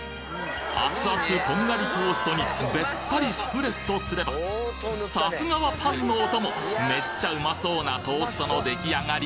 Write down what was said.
熱々こんがりトーストにべったりスプレッドすればさすがはパンのお供めっちゃうまそうなトーストの出来上がり！